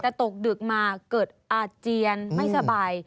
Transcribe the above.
แต่ตกดึกมาเกิดอาเจียนไม่สบาย